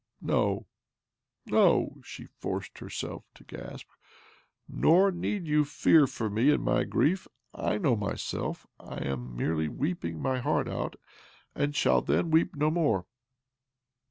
'■No, no," she forced herself to gasp. " Nor need you fear for me and my grief. I know myself. I am merely weeping my heart out, and shall then weep no more.